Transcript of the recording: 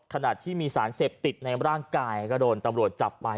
ขณะที่มีสารเสพติดในร่างกายก็โดนตำรวจจับไป